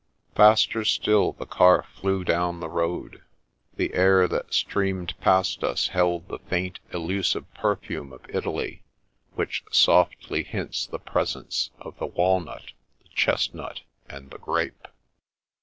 Faster still the car flew down the road. The air that streamed past us held the faint, elusive perfume of Italy, which softly hints the presence of the wal nut, the chestnut, and the grape.